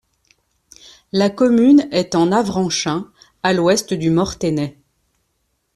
La commune est en Avranchin, à l'ouest du Mortainais.